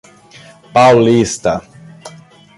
Paulista